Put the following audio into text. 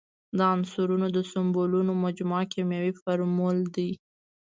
د عنصرونو د سمبولونو مجموعه کیمیاوي فورمول دی.